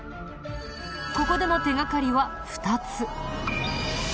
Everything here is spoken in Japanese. ここでの手掛かりは２つ。